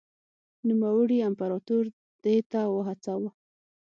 نوموړي امپراتور دې ته وهڅاوه.